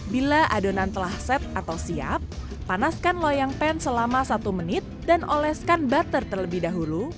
bila adonan telah set atau siap panaskan loyang pan selama satu menit dan oleskan butter terlebih dahulu